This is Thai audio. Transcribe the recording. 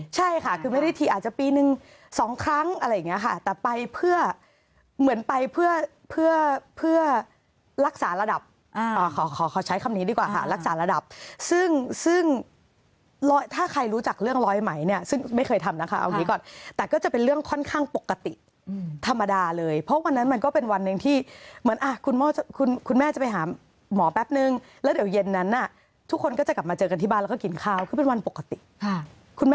ใช่ค่ะคือไม่ได้ทีอาจจะปีนึงสองครั้งอะไรอย่างนี้ค่ะแต่ไปเพื่อเหมือนไปเพื่อรักษาระดับขอใช้คำนี้ดีกว่าค่ะรักษาระดับซึ่งถ้าใครรู้จักเรื่องร้อยไหมเนี่ยซึ่งไม่เคยทำนะคะเอาอย่างนี้ก่อนแต่ก็จะเป็นเรื่องค่อนข้างปกติธรรมดาเลยเพราะวันนั้นมันก็เป็นวันหนึ่งที่คุณแม่จะไปหาหมอแป๊บนึงแล้วเดี๋ยวเย็นน